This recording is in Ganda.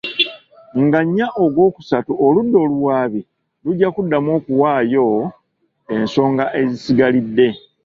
Nga nnya ogwookusatu oludda oluwaabi lujja kuddamu okuwaayo ensonga ezisigalidde.